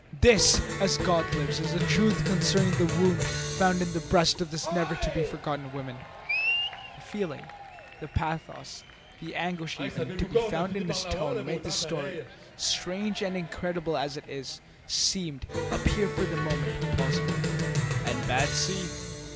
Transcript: "This, as God lives, is the truth concerning the wound found in the breast of this never to be forgotten woman." The feeling, the pathos, the anguish even, to be found in his tone made this story, strange and incredible as it seemed, appear for the moment plausible. "And Batsy?"